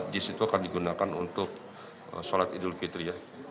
gis itu akan digunakan untuk salat idul fitri